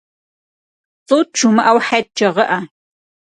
Цӏут жымыӏэу, Хьет жегъыӏэ!